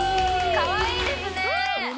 かわいいですね